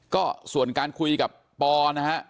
ก็ส่วนการคุยกับปอนะฮะ